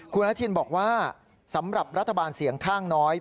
คุณอนุทินบอกว่าสำหรับรัฐบาลเสียงข้างน้อย